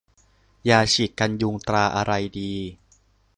ยาฉีดกันยุงตราอะไรดี